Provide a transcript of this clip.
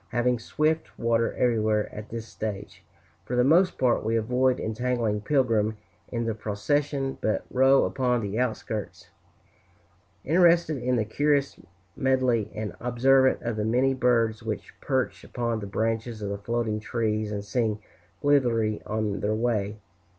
Having swift water everywhere at this stage, for the most part we avoid entangling Pilgrim in the procession, but row upon the outskirts, interested in the curious medley, and observant of the many birds which perch upon the branches of the floating trees and sing blithely on their way.